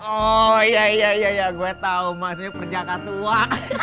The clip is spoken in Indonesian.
oh iya iya iya gue tahu mas dia perjaka tua